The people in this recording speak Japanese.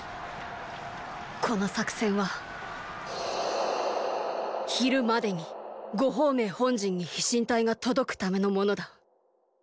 この作戦はーー昼までに呉鳳明本陣に飛信隊が届くためのものだ。